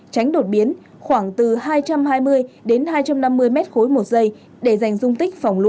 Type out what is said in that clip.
tránh đột biến khoảng từ hai trăm hai mươi đến hai trăm năm mươi mét khối một giây để dành dung tích phòng lũ